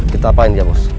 kita apaan jelus